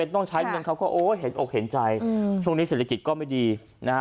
ต้องใช้เงินเขาก็โอ้เห็นอกเห็นใจช่วงนี้เศรษฐกิจก็ไม่ดีนะฮะ